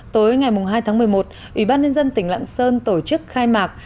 tối ngày hai tháng một mươi một ủy ban nhân dân tỉnh lạng sơn tổ chức khai mạc